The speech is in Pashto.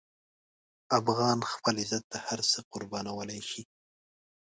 افغان خپل عزت ته هر څه قربانولی شي.